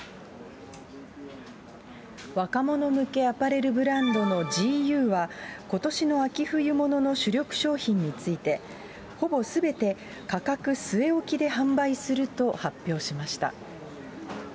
若者向けアパレルブランドのＧＵは、ことしの秋冬物の主力商品について、ほぼすべて価格据え置きで販売すると発表しました。